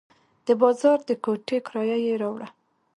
د بازار د کوټې کرایه یې راوړه.